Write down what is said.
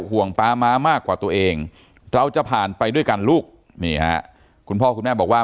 ป๊าม้ามากกว่าตัวเองเราจะผ่านไปด้วยกันลูกนี่ฮะคุณพ่อคุณแม่บอกว่า